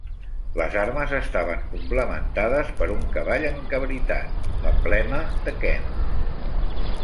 Les armes estaven complementades per un cavall encabritat, l'emblema de Kent.